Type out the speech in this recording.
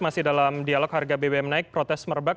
masih dalam dialog harga bbm naik protes merebak